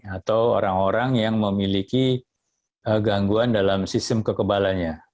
atau orang orang yang memiliki gangguan dalam sistem kekebalannya